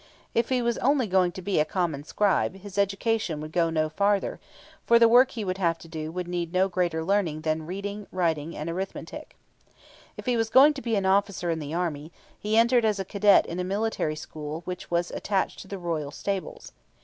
If he was going to be only a common scribe, his education would go no farther; for the work he would have to do would need no greater learning than reading, writing, and arithmetic. If he was going to be an officer in the army, he entered as a cadet in a military school which was attached to the royal stables.